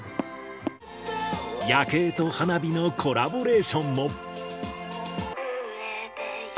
夜景と花火のコラボレーションも。